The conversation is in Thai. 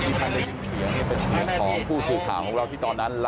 ท่านได้ยินเสียงเป็นเสียงของผู้สื่อข่าวของเราที่ตอนนั้น